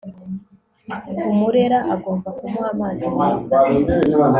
umurera agomba kumuha amazi meza